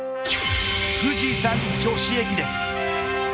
富士山女子駅伝。